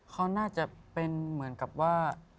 เขาน่าจะเป็นเหมือนกับว่า